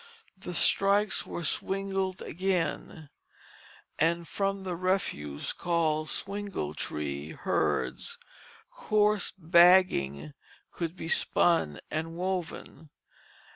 The strikes were swingled again, and from the refuse called swingle tree hurds, coarse bagging could be spun and woven.